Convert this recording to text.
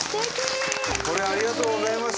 ありがとうございます。